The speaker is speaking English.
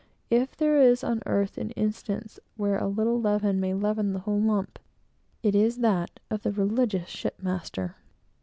If there is on earth an instance where a little leaven may leaven the whole lump, it is that of the religious shipmaster.